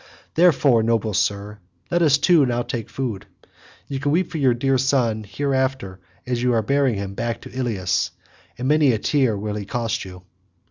Therefore, noble sir, let us two now take food; you can weep for your dear son hereafter as you are bearing him back to Ilius—and many a tear will he cost you."